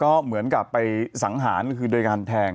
ออกนอก